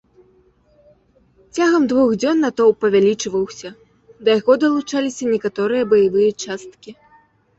Цягам двух дзён натоўп павялічваўся, да яго далучаліся некаторыя баявыя часткі.